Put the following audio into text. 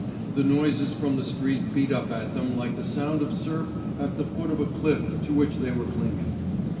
The noises from the street beat up at them like the sound of surf at the foot of a cliff to which they were clinging.